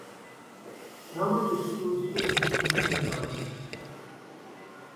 Numbers exclude students in kindergarten.